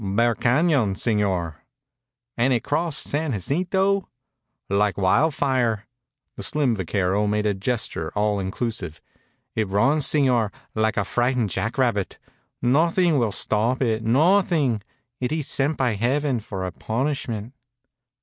"Bear Cañon, señor." "And it's crossed San Jacinto?" "Like wildfire." The slim vaquero made a gesture all inclusive. "It runs, señor, like a frightened jackrabbit. Nothing will stop it nothing. It iss sent by heaven for a punishment."